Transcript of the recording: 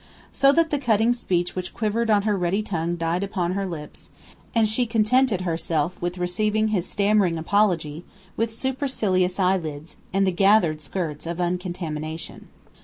So that the cutting speech which quivered on her ready tongue died upon her lips, and she contented herself with receiving his stammering apology with supercilious eyelids and the gathered skirts of uncontamination.